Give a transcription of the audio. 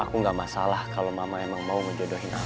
aku tidak masalah kalau mama memang mau menjodohi almarhumah